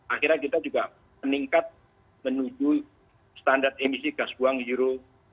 akhirnya kita juga meningkat menuju standar emisi gas buang euro